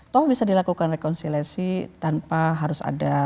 toh bisa dilakukan rekonsiliasi tanpa harus ada